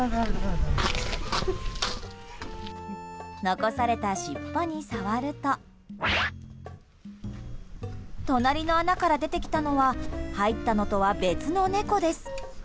残された尻尾に触ると隣の穴から出てきたのは入ったのとは別の猫です。